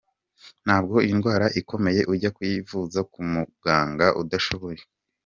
Ntabwo indwara ikomeye ujya kuyivuza ku muganga udashoboye.